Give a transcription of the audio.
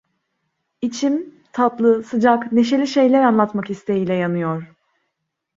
İçim tatlı, sıcak, neşeli şeyler anlatmak isteğiyle yanıyor.